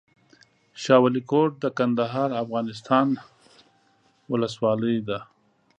شاه ولي کوټ، کندهار افغانستان ولسوالۍ ده